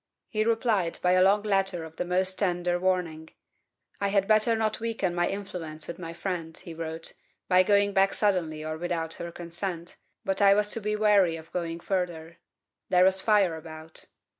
He replied by a long letter of the most tender warning. I had better not weaken my influence with my friend, he wrote, by going back suddenly or without her consent, but I was to be very wary of going further; there was fire about.